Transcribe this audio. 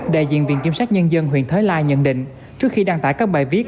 đại diện viện kiểm sát nhân dân huyện thới lai nhận định trước khi đăng tải các bài viết